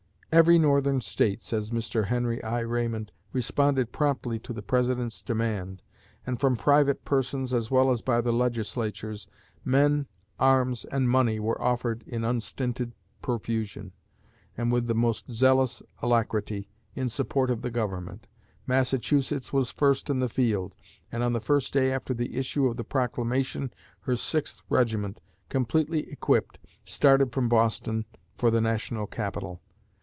"Every Northern State," says Mr. Henry I. Raymond, "responded promptly to the President's demand, and from private persons, as well as by the Legislatures, men, arms, and money were offered in unstinted profusion, and with the most zealous alacrity, in support of the Government. Massachusetts was first in the field, and on the first day after the issue of the proclamation her Sixth regiment, completely equipped, started from Boston for the national capital.